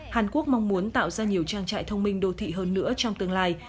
hàn quốc mong muốn tạo ra nhiều trang trại thông minh đô thị hơn nữa trong tương lai